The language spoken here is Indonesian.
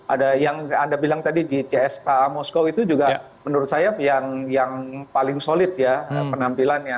ada yang anda bilang tadi gcs moskow itu juga menurut saya yang paling solid ya penampilannya